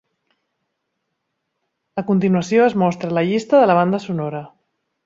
A continuació es mostra la llista de la banda sonora.